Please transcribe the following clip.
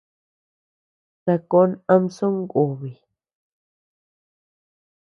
Sakon am songubi.